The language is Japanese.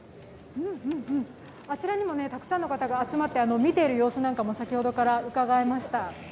あちらにもたくさんの方が集まって見ている様子も先ほどからうかがえました。